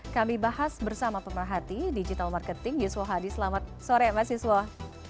kami bahas bersama pemerhati digital marketing yuswo hadi selamat sore mas yuswa